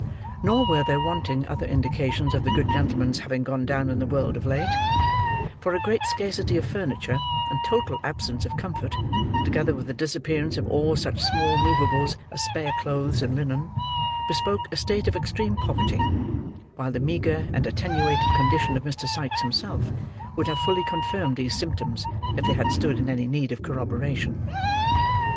Nor were there wanting other indications of the good gentleman's having gone down in the world of late: for a great scarcity of furniture, and total absence of comfort, together with the disappearance of all such small moveables as spare clothes and linen, bespoke a state of extreme poverty; while the meagre and attenuated condition of Mr. Sikes himself would have fully confirmed these symptoms, if they had stood in any need of corroboration.